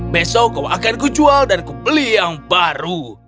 besok kau akan kucual dan kupeli yang baru